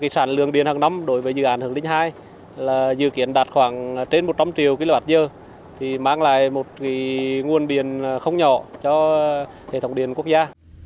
sản lượng điện hàng năm đối với dự án hướng linh ii là dự kiến đạt khoảng trên một trăm linh triệu kwh mang lại một nguồn điện không nhỏ cho hệ thống điện quốc gia